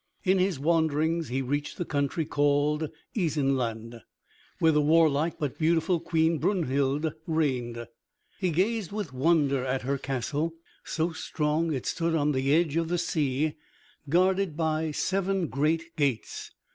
In his wanderings he reached the country called Isenland, where the warlike but beautiful Queen Brunhild reigned. He gazed with wonder at her castle, so strong it stood on the edge of the sea, guarded by seven great gates.